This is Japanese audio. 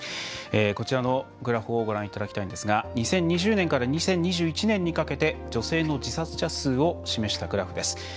こちらのグラフをご覧いただきたいんですが２０２０年から２０２１年にかけて女性の自殺者を示したグラフです。